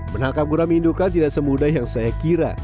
menangkap gurami indukan tidak semudah yang saya kira